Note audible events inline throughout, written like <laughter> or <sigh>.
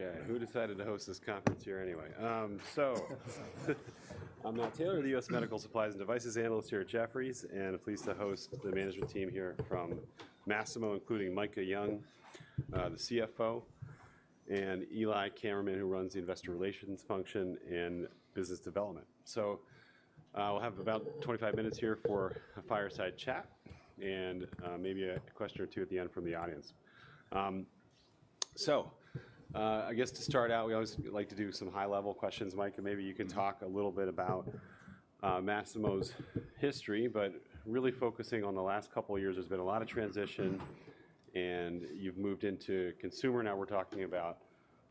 Okay, who decided to host this conference here anyway? So, I'm Matt Taylor, the U.S. Medical Supplies and Devices analyst here at Jefferies, and pleased to host the management team here from Masimo, including Micah Young, the CFO, and Eli Kammerman, who runs the investor relations function in business development. So, we'll have about 25 minutes here for a fireside chat, and maybe a question or two at the end from the audience. So, I guess to start out, we always like to do some high-level questions. Micah, maybe you can talk- Mm-hmm... a little bit about Masimo's history, but really focusing on the last couple of years. There's been a lot of transition, and you've moved into consumer. Now we're talking about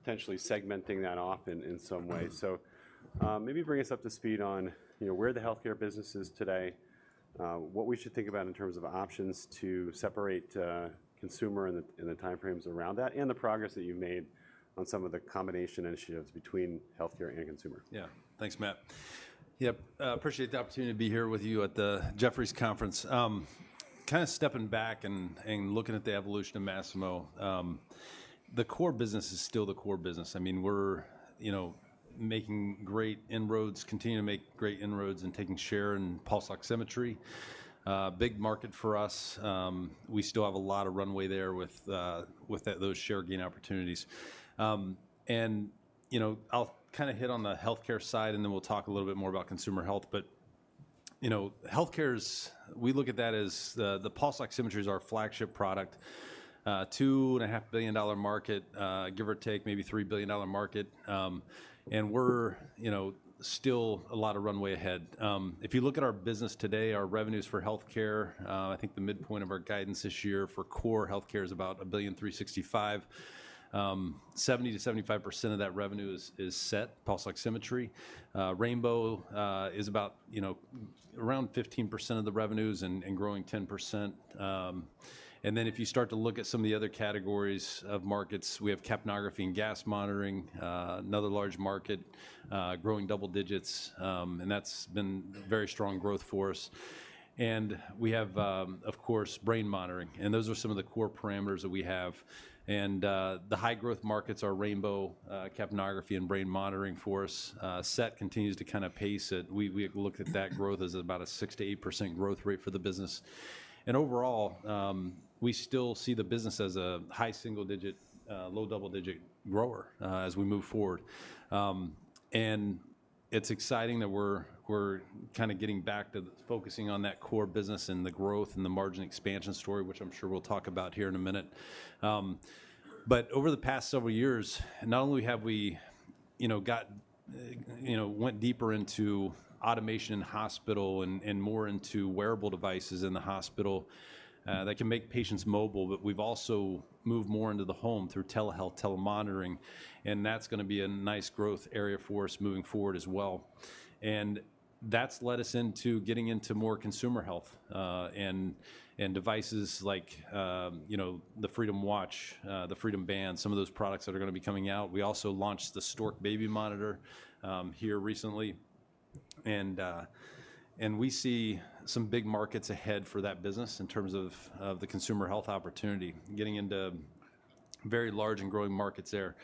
potentially segmenting that off in some way. Mm-hmm. Maybe bring us up to speed on, you know, where the healthcare business is today, what we should think about in terms of options to separate consumer, and the time frames around that, and the progress that you've made on some of the combination initiatives between healthcare and consumer. Yeah. Thanks, Matt. Yep, appreciate the opportunity to be here with you at the Jefferies Conference. Kind of stepping back and looking at the evolution of Masimo, the core business is still the core business. I mean, we're, you know, making great inroads, continuing to make great inroads and taking share in pulse oximetry. Big market for us. We still have a lot of runway there with those share gain opportunities. And, you know, I'll kind of hit on the healthcare side, and then we'll talk a little bit more about consumer health. But, you know, healthcare is... We look at that as the pulse oximetry is our flagship product, $2.5 billion market, give or take, maybe $3 billion market. And we're, you know, still a lot of runway ahead. If you look at our business today, our revenues for healthcare, I think the midpoint of our guidance this year for core healthcare is about $1.365 billion. 70%-75% of that revenue is SET pulse oximetry. Rainbow is about, you know, around 15% of the revenues and growing 10%. And then if you start to look at some of the other categories of markets, we have capnography and gas monitoring, another large market, growing double digits, and that's been very strong growth for us. And we have, of course, brain monitoring, and those are some of the core parameters that we have. And the high growth markets are Rainbow, capnography, and brain monitoring for us. SET continues to kind of pace it. We look at that growth as about a 6%-8% growth rate for the business. Overall, we still see the business as a high single-digit, low double-digit grower, as we move forward. And it's exciting that we're kind of getting back to focusing on that core business and the growth and the margin expansion story, which I'm sure we'll talk about here in a minute. But over the past several years, not only have we, you know, got, you know, went deeper into automation in hospital and more into wearable devices in the hospital, that can make patients mobile, but we've also moved more into the home through telehealth, telemonitoring, and that's gonna be a nice growth area for us moving forward as well. And that's led us into getting into more consumer health, and devices like, you know, the Freedom Watch, the Freedom Band, some of those products that are gonna be coming out. We also launched the Stork Baby Monitor here recently, and we see some big markets ahead for that business in terms of the consumer health opportunity, getting into very large and growing markets there.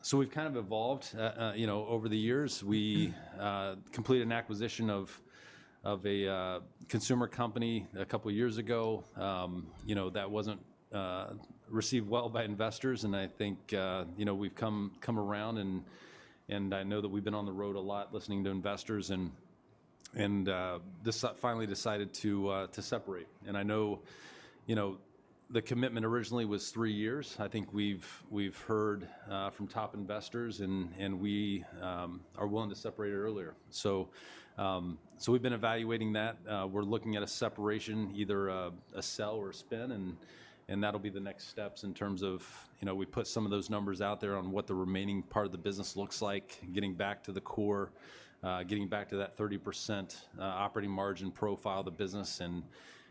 So we've kind of evolved. You know, over the years, we completed an acquisition of a consumer company a couple of years ago. You know, that wasn't received well by investors, and I think, you know, we've come around and I know that we've been on the road a lot listening to investors and just finally decided to separate. I know, you know, the commitment originally was three years. I think we've heard from top investors and we are willing to separate it earlier. So we've been evaluating that. We're looking at a separation, either a sell or spin, and that'll be the next steps in terms of, you know, we put some of those numbers out there on what the remaining part of the business looks like, getting back to the core, getting back to that 30% operating margin profile of the business.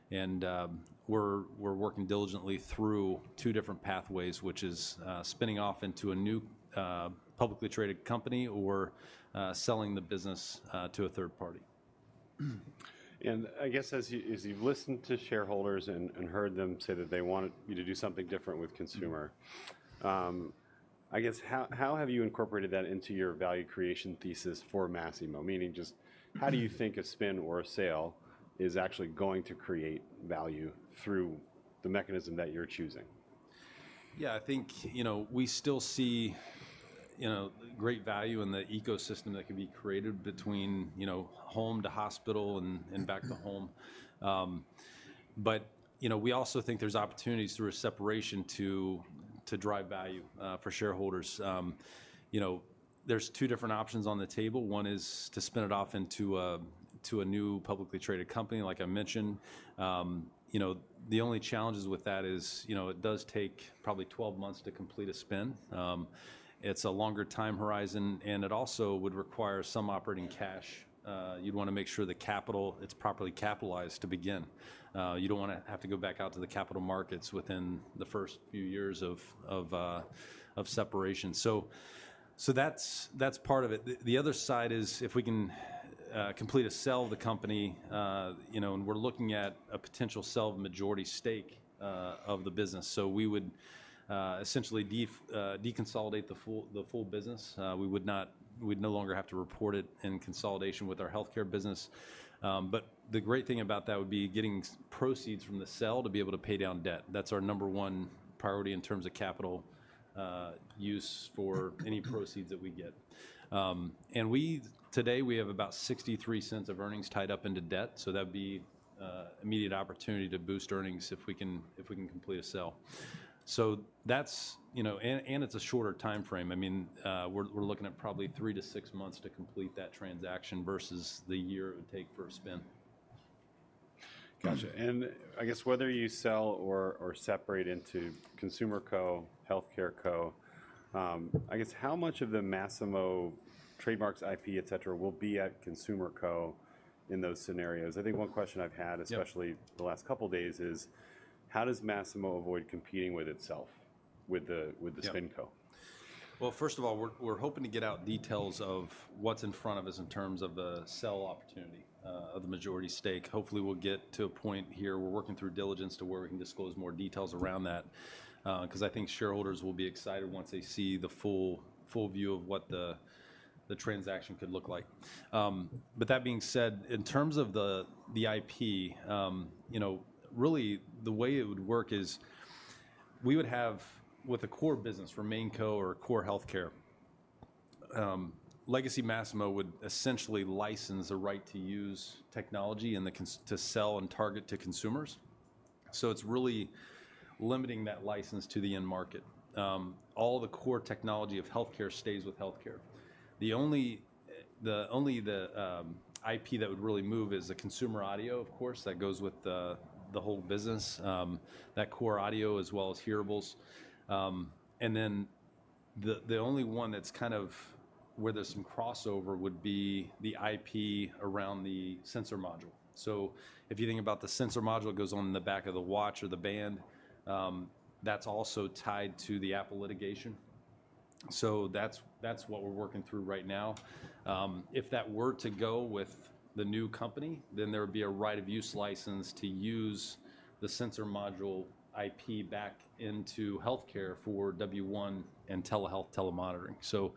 We're working diligently through two different pathways, which is spinning off into a new publicly traded company or selling the business to a third party. I guess as you, as you've listened to shareholders and, and heard them say that they wanted you to do something different with consumer, I guess how, how have you incorporated that into your value creation thesis for Masimo? Meaning just- Mm-hmm... how do you think a spin or a sale is actually going to create value through the mechanism that you're choosing? Yeah, I think, you know, we still see, you know, great value in the ecosystem that can be created between, you know, home to hospital and back to home. But, you know, we also think there's opportunities through a separation to drive value for shareholders. You know, there's 2 different options on the table. One is to spin it off into a new publicly traded company, like I mentioned. You know, the only challenges with that is, you know, it does take probably 12 months to complete a spin. It's a longer time horizon, and it also would require some operating cash. You'd wanna make sure the capital, it's properly capitalized to begin. You don't wanna have to go back out to the capital markets within the first few years of separation. That's part of it. The other side is if we can complete a sale of the company, you know, and we're looking at a potential sale of majority stake of the business. So we would essentially deconsolidate the full business. We would not <audio distortion> we'd no longer have to report it in consolidation with our healthcare business. But the great thing about that would be getting proceeds from the sale to be able to pay down debt. That's our number one priority in terms of capital use for any proceeds that we get. And today we have about $0.63 of earnings tied up in debt, so that'd be immediate opportunity to boost earnings if we can complete a sale. So that's, you know, and it's a shorter timeframe. I mean, we're looking at probably 3-6 months to complete that transaction versus the year it would take for a spin. Gotcha. And I guess whether you sell or separate into Consumer Co, healthcare co, I guess how much of the Masimo trademarks, IP, et cetera, will be at Consumer Co in those scenarios? I think one question I've had- Yeah... especially the last couple of days, is: How does Masimo avoid competing with itself, with the- Yeah... with the SpinCo? Well, first of all, we're, we're hoping to get out details of what's in front of us in terms of the sell opportunity of the majority stake. Hopefully, we'll get to a point here. We're working through diligence to where we can disclose more details around that, 'cause I think shareholders will be excited once they see the full, full view of what the, the transaction could look like. But that being said, in terms of the IP, you know, really the way it would work is we would have, with the core business for Masimo or core healthcare, legacy Masimo would essentially license a right-to-use technology and the consent to sell and target to consumers. So it's really limiting that license to the end market. All the core technology of healthcare stays with healthcare. The only IP that would really move is the consumer audio, of course, that goes with the whole business, that core audio as well as hearables. And then the only one that's kind of where there's some crossover would be the IP around the sensor module. So if you think about the sensor module, it goes on in the back of the watch or the band, that's also tied to the Apple litigation. So that's what we're working through right now. If that were to go with the new company, then there would be a right of use license to use the sensor module IP back into healthcare for W1 and telehealth, telemonitoring. So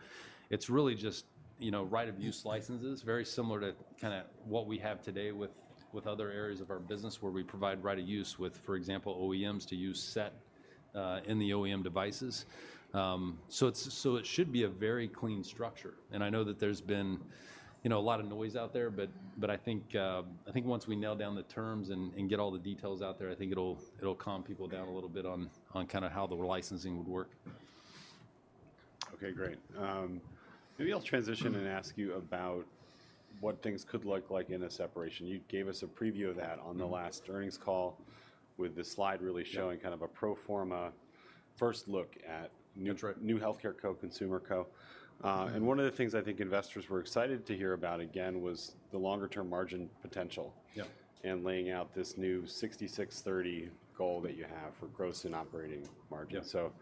it's really just, you know, right of use licenses. Very similar to kinda what we have today with, with other areas of our business, where we provide right of use with, for example, OEMs to use SET, in the OEM devices. So it's, so it should be a very clean structure, and I know that there's been, you know, a lot of noise out there, but, but I think, I think once we nail down the terms and, and get all the details out there, I think it'll, it'll calm people down a little bit on, on kind of how the licensing would work. Okay, great. Maybe I'll transition and ask you about what things could look like in a separation. You gave us a preview of that on the last earnings call, with the slide really showing- Yeah... kind of a pro forma first look at new Healthcare Co, Consumer Co. Yeah. And one of the things I think investors were excited to hear about again was the longer-term margin potential- Yeah... and laying out this new 66/30 goal that you have for gross and operating margin. Yeah. So,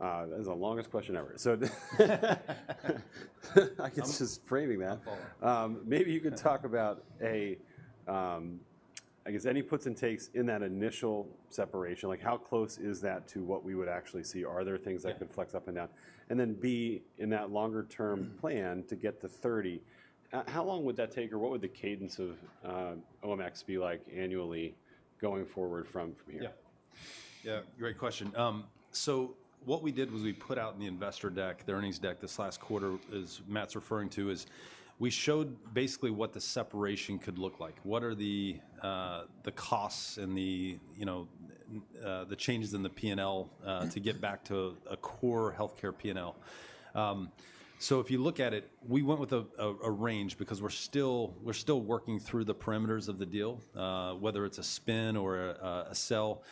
that is the longest question ever. So I guess just framing that. Oh. Maybe you could talk about, I guess, any puts and takes in that initial separation, like how close is that to what we would actually see? Are there things that- Yeah... could flex up and down? And then, B, in that longer-term plan to get to 30, how long would that take, or what would the cadence of OEM be like annually going forward from here? Yeah. Yeah, great question. So what we did was we put out in the investor deck, the earnings deck, this last quarter, as Matt's referring to, is we showed basically what the separation could look like. What are the, the costs and the, you know, the changes in the P&L, to get back to a core healthcare P&L? So if you look at it, we went with a range because we're still, we're still working through the parameters of the deal, whether it's a spin or a sell.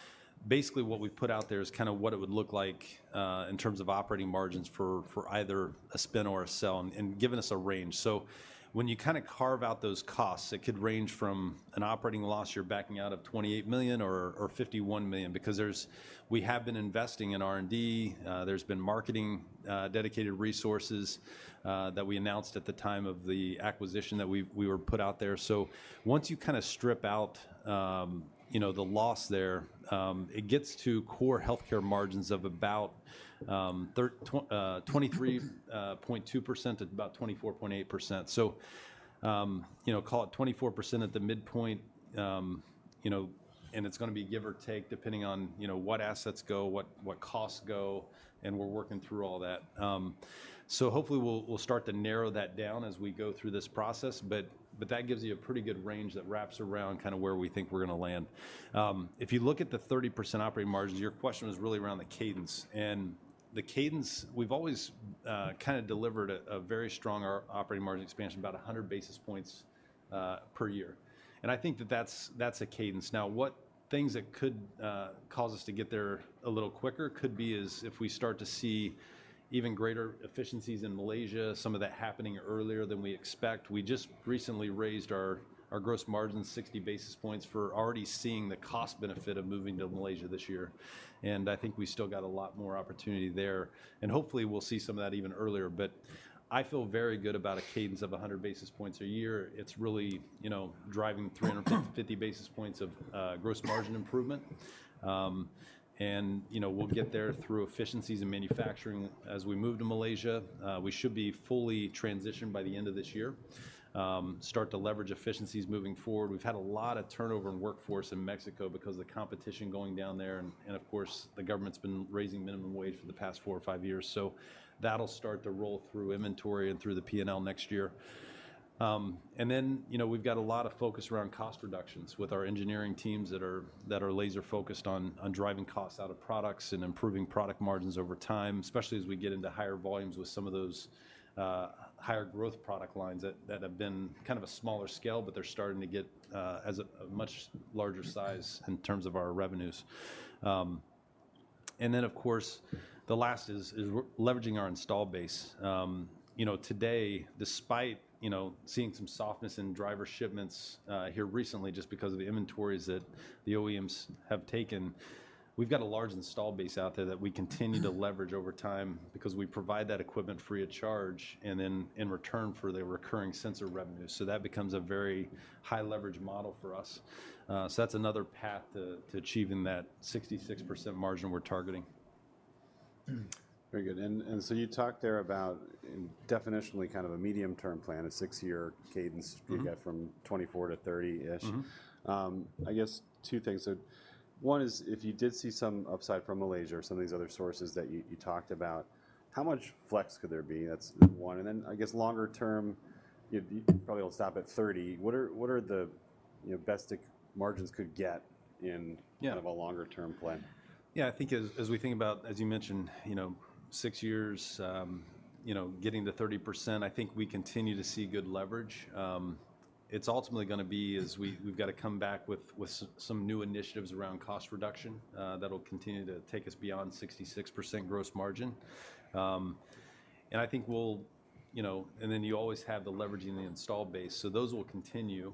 Basically, what we've put out there is kind of what it would look like, in terms of operating margins for either a spin or a sell and giving us a range. So when you kind of carve out those costs, it could range from an operating loss you're backing out of $28 million or $51 million because there's, we have been investing in R&D. There's been marketing, dedicated resources, that we announced at the time of the acquisition that we were put out there. So once you kind of strip out, you know, the loss there, it gets to core healthcare margins of about 23.2%, at about 24.8%. So, you know, call it 24% at the midpoint. You know, and it's gonna be give or take, depending on, you know, what assets go, what costs go, and we're working through all that. So hopefully, we'll start to narrow that down as we go through this process, but that gives you a pretty good range that wraps around kind of where we think we're gonna land. If you look at the 30% operating margins, your question was really around the cadence. And the cadence, we've always kind of delivered a very strong operating margin expansion, about 100 basis points per year, and I think that that's a cadence. Now, what things that could cause us to get there a little quicker could be is if we start to see even greater efficiencies in Malaysia, some of that happening earlier than we expect. We just recently raised our gross margin 60 basis points. We're already seeing the cost benefit of moving to Malaysia this year, and I think we still got a lot more opportunity there. Hopefully, we'll see some of that even earlier. I feel very good about a cadence of 100 basis points a year. It's really, you know, driving 350 basis points of gross margin improvement. And, you know, we'll get there through efficiencies in manufacturing as we move to Malaysia. We should be fully transitioned by the end of this year, start to leverage efficiencies moving forward. We've had a lot of turnover in workforce in Mexico because of the competition going down there and, of course, the government's been raising minimum wage for the past 4 or 5 years. So that'll start to roll through inventory and through the PNL next year. And then, you know, we've got a lot of focus around cost reductions with our engineering teams that are laser-focused on driving costs out of products and improving product margins over time, especially as we get into higher volumes with some of those higher growth product lines that have been kind of a smaller scale, but they're starting to get a much larger size in terms of our revenues. And then, of course, the last is leveraging our installed base. You know, today, despite you know, seeing some softness in driver shipments here recently, just because of the inventories that the OEMs have taken, we've got a large install base out there that we continue to leverage over time because we provide that equipment free of charge, and then in return for the recurring sensor revenue. So that becomes a very high leverage model for us. So that's another path to achieving that 66% margin we're targeting. Very good. And so you talked there about definitionally kind of a medium-term plan, a six-year cadence you got from '2024 to 2030-ish. I guess two things. So one is, if you did see some upside from Malaysia or some of these other sources that you talked about, how much flex could there be? That's one. And then I guess longer term, you probably will stop at 30. What are the best margins could get in- Yeah... kind of a longer term plan? Yeah, I think as we think about, as you mentioned, you know, six years, you know, getting to 30%, I think we continue to see good leverage. It's ultimately gonna be we've gotta come back with some new initiatives around cost reduction, that'll continue to take us beyond 66% gross margin. And I think we'll, you know. And then you always have the leveraging the install base, so those will continue.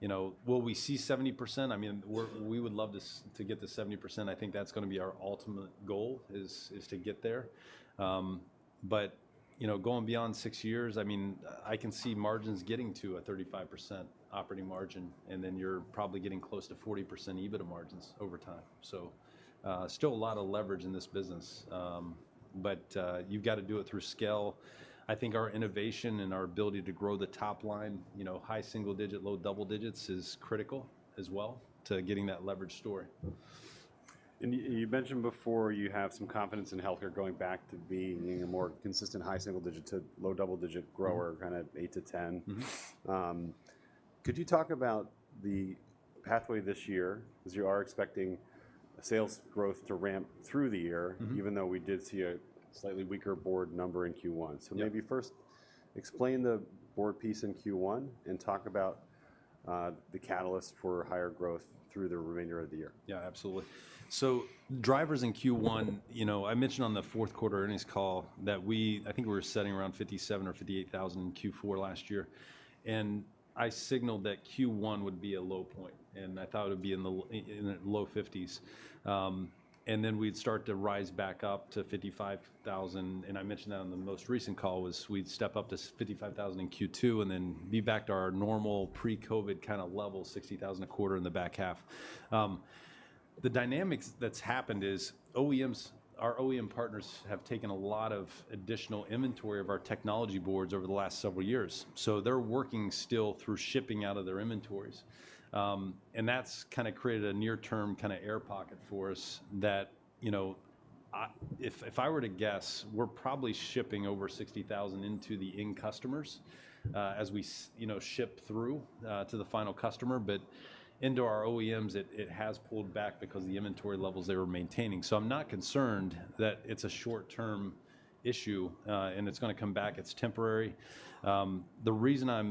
You know, will we see 70%? I mean, we would love to get to 70%. I think that's gonna be our ultimate goal is to get there. But, you know, going beyond six years, I mean, I can see margins getting to a 35% operating margin, and then you're probably getting close to 40% EBITDA margins over time. So, still a lot of leverage in this business, but, you've got to do it through scale. I think our innovation and our ability to grow the top line, you know, high single digit, low double digits, is critical as well to getting that leverage story. You, you mentioned before you have some confidence in healthcare going back to being a more consistent, high single-digit to low double-digit grower kind of 8-10. Could you talk about the pathway this year, as you are expecting sales growth to ramp through the year? Even though we did see a slightly weaker board number in Q1. Yeah. So maybe first explain the board piece in Q1 and talk about the catalyst for higher growth through the remainder of the year. Yeah, absolutely. So drivers in Q1, you know, I mentioned on the fourth quarter earnings call that we, I think we were sitting around 57 or 58 thousand in Q4 last year, and I signaled that Q1 would be a low point, and I thought it would be in the low 50s. And then we'd start to rise back up to 55,000, and I mentioned that on the most recent call, we'd step up to 55,000 in Q2, and then be back to our normal pre-COVID kind of level, 60,000 a quarter in the back half. The dynamics that's happened is OEMs, our OEM partners have taken a lot of additional inventory of our technology boards over the last several years. So they're working still through shipping out of their inventories. And that's kinda created a near-term kinda air pocket for us that, you know, if I were to guess, we're probably shipping over 60,000 into the end customers, as we, you know, ship through to the final customer. But into our OEMs, it has pulled back because of the inventory levels they were maintaining. So I'm not concerned that it's a short-term issue, and it's gonna come back. It's temporary. The reason our,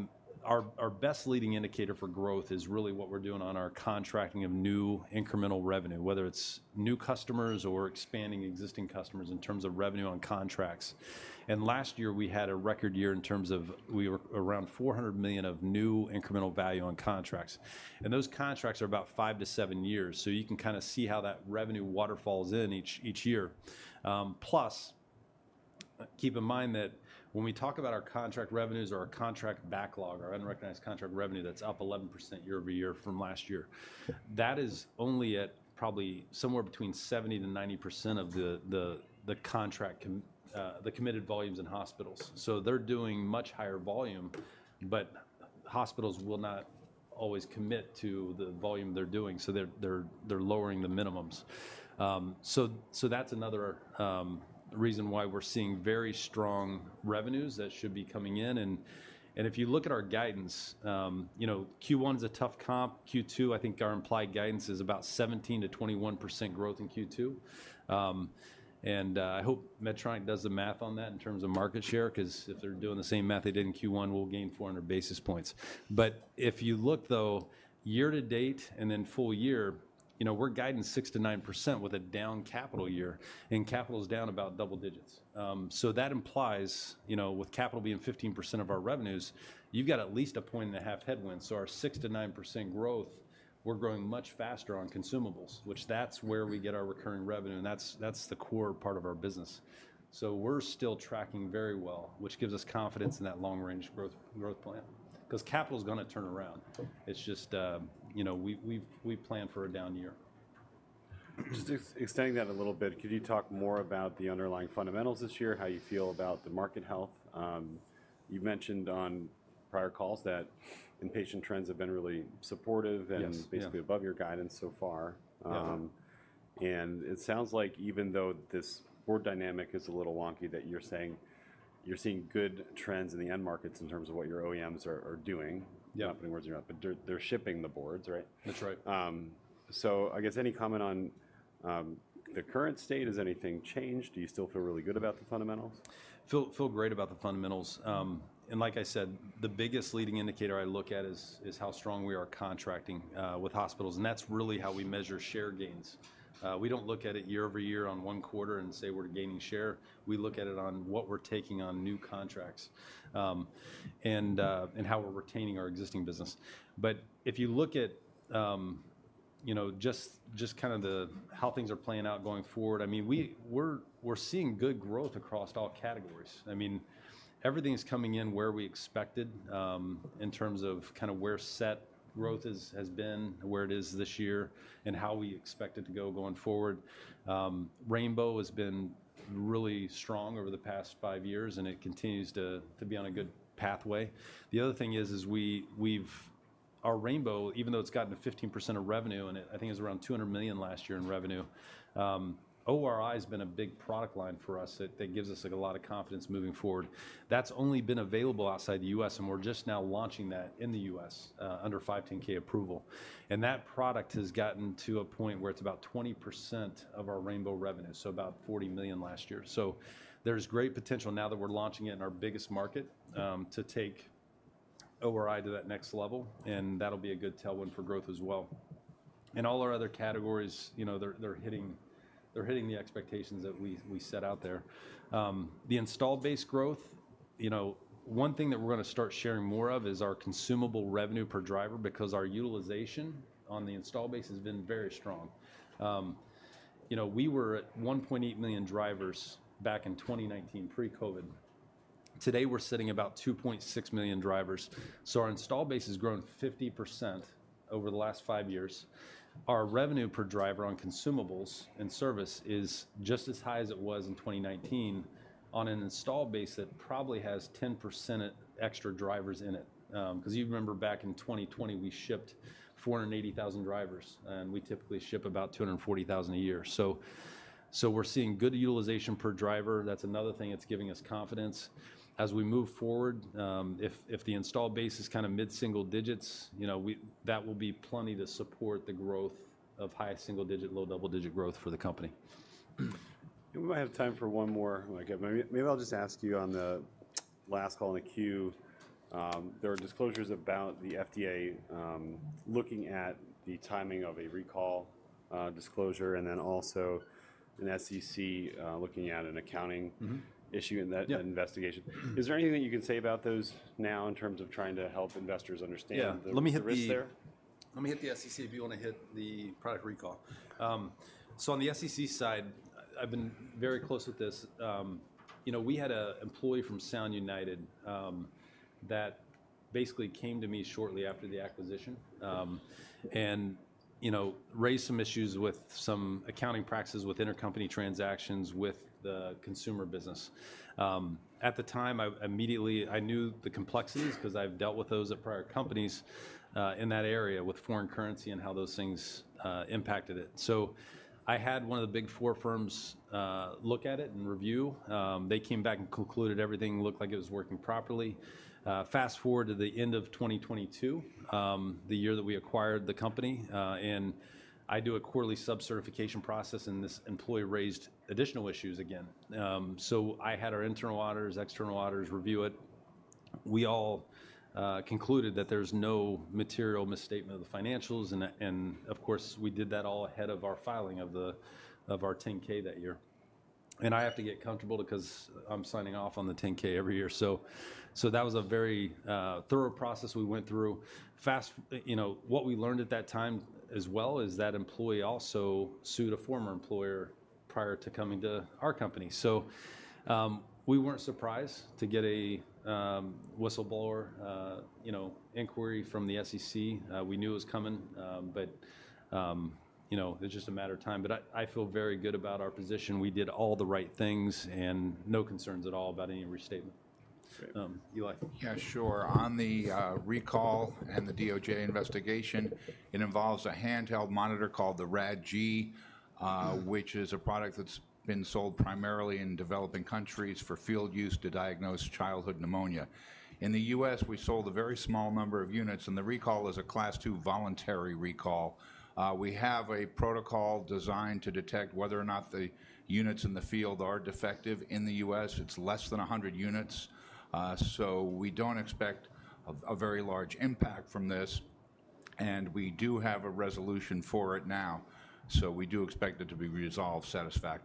our best leading indicator for growth is really what we're doing on our contracting of new incremental revenue, whether it's new customers or expanding existing customers in terms of revenue on contracts. And last year, we had a record year in terms of we were around $400 million of new incremental value on contracts, and those contracts are about five to seven years. You can kinda see how that revenue waterfalls in each year. Plus, keep in mind that when we talk about our contract revenues or our contract backlog, our unrecognized contract revenue, that's up 11% year-over-year from last year. That is only at probably somewhere between 70%-90% of the committed volumes in hospitals. So they're doing much higher volume, but hospitals will not always commit to the volume they're doing, so they're lowering the minimums. That's another reason why we're seeing very strong revenues that should be coming in. And if you look at our guidance, you know, Q1 is a tough comp. Q2, I think our implied guidance is about 17%-21% growth in Q2. I hope Medtronic does the math on that in terms of market share, 'cause if they're doing the same math they did in Q1, we'll gain 400 basis points. But if you look though, year to date and then full year, you know, we're guiding 6%-9% with a down capital year, and capital is down about double digits. So that implies, you know, with capital being 15% of our revenues, you've got at least a 1.5-point headwind. So our 6%-9% growth, we're growing much faster on consumables, which that's where we get our recurring revenue, and that's the core part of our business. So we're still tracking very well, which gives us confidence in that long-range growth plan, 'cause capital's gonna turn around. It's just, you know, we've planned for a down year. Just extending that a little bit, could you talk more about the underlying fundamentals this year, how you feel about the market health? You've mentioned on prior calls that inpatient trends have been really supportive- Yes, yeah... and basically above your guidance so far. Yeah. It sounds like even though this board dynamic is a little wonky, that you're saying you're seeing good trends in the end markets in terms of what your OEMs are doing. Yeah. Not putting words in your mouth, but they're shipping the boards, right? That's right. So, I guess any comment on the current state? Has anything changed? Do you still feel really good about the fundamentals? Feel, feel great about the fundamentals. And like I said, the biggest leading indicator I look at is how strong we are contracting with hospitals, and that's really how we measure share gains. We don't look at it year-over-year on one quarter and say we're gaining share. We look at it on what we're taking on new contracts, and how we're retaining our existing business. But if you look at, you know, just kind of how things are playing out going forward, I mean, we're seeing good growth across all categories. I mean, everything's coming in where we expected, in terms of kind of where SET growth has been, where it is this year, and how we expect it to go going forward. Rainbow has been really strong over the past five years, and it continues to be on a good pathway. The other thing is we, Our Rainbow, even though it's gotten to 15% of revenue, and it, I think, it was around $200 million last year in revenue, ORI's been a big product line for us that gives us, like, a lot of confidence moving forward. That's only been available outside the US, and we're just now launching that in the US under 510-k approval. And that product has gotten to a point where it's about 20% of our Rainbow revenue, so about $40 million last year. So there's great potential now that we're launching it in our biggest market to take ORI to that next level, and that'll be a good tailwind for growth as well. All our other categories, you know, they're hitting the expectations that we set out there. The installed base growth, you know, one thing that we're gonna start sharing more of is our consumable revenue per driver, because our utilization on the install base has been very strong. You know, we were at 1.8 million drivers back in 2019 pre-COVID. Today, we're sitting about 2.6 million drivers, so our install base has grown 50% over the last five years. Our revenue per driver on consumables and service is just as high as it was in 2019 on an install base that probably has 10% extra drivers in it. 'Cause you know, back in 2020, we shipped 480,000 drivers, and we typically ship about 240,000 a year. We're seeing good utilization per driver. That's another thing that's giving us confidence. As we move forward, if the install base is kind of mid-single digits, you know, that will be plenty to support the growth of high single digit, low double-digit growth for the company. We might have time for one more. Like, maybe I'll just ask you on the last call in the queue, there are disclosures about the FDA looking at the timing of a recall disclosure, and then also an SEC looking at an accounting- Mm-hmm ... issue in that- Yeah... investigation. Is there anything you can say about those now in terms of trying to help investors understand? Yeah... the risks there? Let me hit the SEC if you wanna hit the product recall. So on the SEC side, I've been very close with this. You know, we had an employee from Sound United that basically came to me shortly after the acquisition, and, you know, raised some issues with some accounting practices with intercompany transactions with the consumer business. At the time, I immediately knew the complexities 'cause I've dealt with those at prior companies in that area with foreign currency and how those things impacted it. So I had one of the Big Four firms look at it and review. They came back and concluded everything looked like it was working properly. Fast-forward to the end of 2022, the year that we acquired the company, and I do a quarterly sub-certification process, and this employee raised additional issues again. So I had our internal auditors, external auditors review it. We all concluded that there's no material misstatement of the financials, and, and of course, we did that all ahead of our filing of our 10-K that year. And I have to get comfortable because I'm signing off on the 10-K every year. So, so that was a very thorough process we went through. Fast-forward, you know, what we learned at that time as well is that employee also sued a former employer prior to coming to our company. So, we weren't surprised to get a whistleblower, you know, inquiry from the SEC. We knew it was coming, but, you know, it's just a matter of time. But I feel very good about our position. We did all the right things, and no concerns at all about any restatement. Great. Um, Eli? Yeah, sure. On the recall and the DOJ investigation, it involves a handheld monitor called the Rad-G, which is a product that's been sold primarily in developing countries for field use to diagnose childhood pneumonia. In the U.S., we sold a very small number of units, and the recall is a Class II voluntary recall. We have a protocol designed to detect whether or not the units in the field are defective. In the U.S., it's less than 100 units, so we don't expect a very large impact from this, and we do have a resolution for it now, so we do expect it to be resolved satisfactorily.